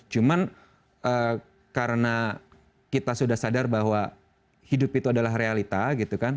cuman karena kita sudah sadar bahwa hidup itu adalah realita gitu kan